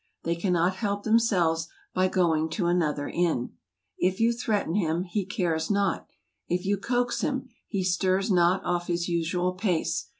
They cannot help themselves, by going to another inn. If you threaten him, he cares not; if you coax him, lie 64 AUSTRIA, stirs not off his usual pace.